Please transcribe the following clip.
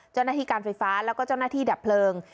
เจ้าหน้าที่การไฟฟ้าแล้วก็เจ้าหน้าที่ดับเพลิง